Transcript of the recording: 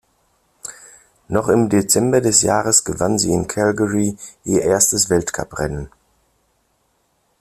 Noch im Dezember des Jahres gewann sie in Calgary ihr erstes Weltcuprennen.